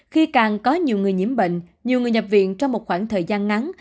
khi càng có nhiều người nhiễm bệnh nhiều người nhập viện trong một khoảng thời gian ngắn